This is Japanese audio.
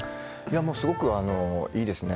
すごくいいですね。